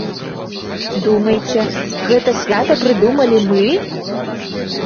Думаеце, гэта свята прыдумалі мы?